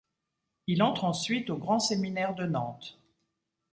Il entre ensuite au grand séminaire de Nantes.